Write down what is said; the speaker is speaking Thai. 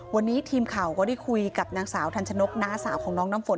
วันนี้ทีมข่าวก็ได้คุยกับนางสาวทันชนกน้าสาวของน้องน้ำฝน